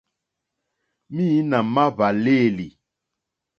Mǐīnā má hwàlêlì.